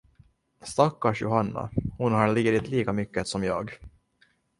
Stackars Johanna, hon har lidit lika mycket som jag.